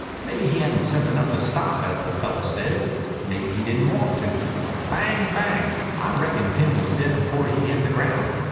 Maybe he hadn't sense enough to stop, as the fellow says. Maybe he didn't want to. Bang bang! I reckon Tim was dead before he hit the ground.